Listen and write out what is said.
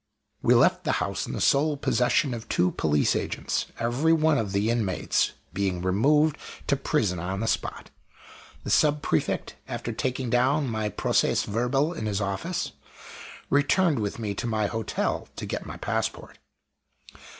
We left the house in the sole possession of two police agents every one of the inmates being removed to prison on the spot. The Sub prefect, after taking down my "proces verbal" in his office, returned with me to my hotel to get my passport.